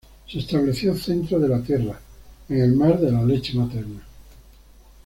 Se estableció centro de la tierra, en el mar de la leche materna.